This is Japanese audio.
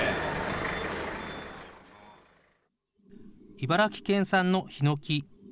茨城県産のヒノキ。